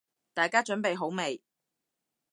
大家準備好未？